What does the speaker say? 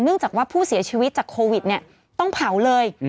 จากว่าผู้เสียชีวิตจากโควิดเนี่ยต้องเผาเลย